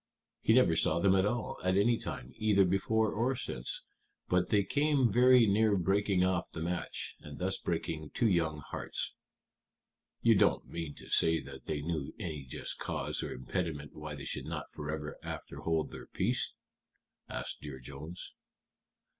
"He never saw them at all, at any time, either before or since. But they came very near breaking off the match, and thus breaking two young hearts." "You don't mean to say that they knew any just cause or impediment why they should not forever after hold their peace?" asked Dear Jones.